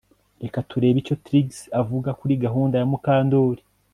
Reka turebe icyo Trix avuga kuri gahunda ya Mukandoli